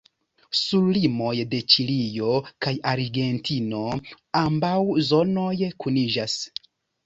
Sur limoj de Ĉilio kaj Argentino ambaŭ zonoj kuniĝas.